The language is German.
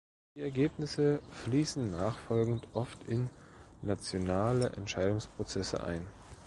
Die Ergebnisse fließen nachfolgend oft in nationale Entscheidungsprozesse ein.